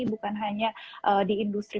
bukan hanya di industri